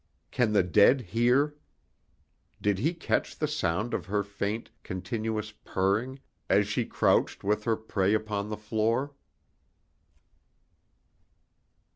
Can the dead hear? Did he catch the sound of her faint, continuous purring as she crouched with her prey upon the floor?